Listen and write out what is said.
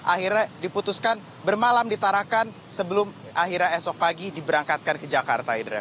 akhirnya diputuskan bermalam ditarakan sebelum akhirnya esok pagi diberangkatkan ke jakarta